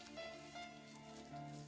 nah itu piku